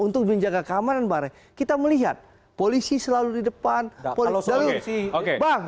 untuk menjaga keamanan bareng kita melihat polisi selalu di depan kalau selesai oke bang